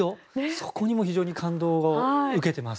そこにも非常に感動を受けています。